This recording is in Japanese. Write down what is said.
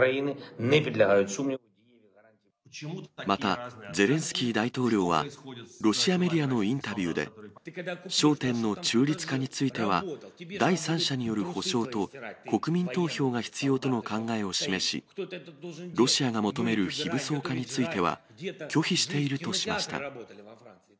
また、ゼレンスキー大統領はロシアメディアのインタビューで、焦点の中立化については、第三者による保証と国民投票が必要との考えを示し、ロシアが求める非武装化については、拒否しているとしました。